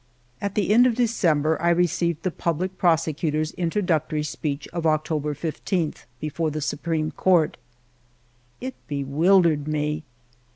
At the end of December, I received the Public Prosecutor's introductory speech of October 15, before the Supreme Court. It bewildered me.